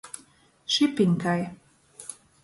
Šipiņkai.